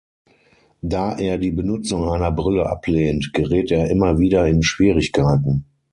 Da er die Benutzung einer Brille ablehnt, gerät er immer wieder in Schwierigkeiten.